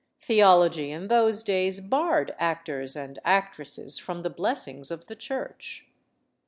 Theology in those days barred actors and actresses from the blessings of the Church.